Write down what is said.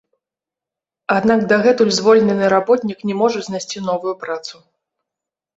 Аднак дагэтуль звольнены работнік не можа знайсці новую працу.